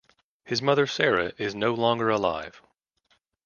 His mother Sara is no longer alive.